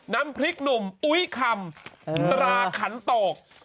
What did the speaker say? น้ำพริกหนุ่มอุ๊ยคำตราขันโตก